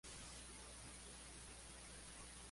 Eiji Takada